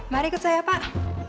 mari ikut saya pak